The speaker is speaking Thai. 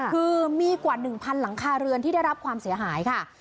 คือมีกว่า๑๐๐หลังคาเรือนที่ได้รับความเสียหายค่ะ